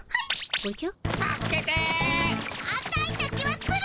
おじゃ。